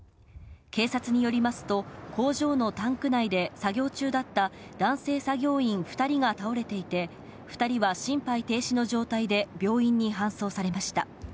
警察によりますと、工場のタンク内で作業中だった男性作業員２人が倒れていて、２人は心肺停止の状態で病院に搬送されました。